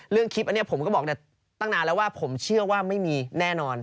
คลิปอันนี้ผมก็บอกตั้งนานแล้วว่าผมเชื่อว่าไม่มีแน่นอน